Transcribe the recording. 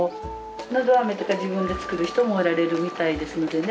のど飴とか自分で作る人もおられるみたいですのでね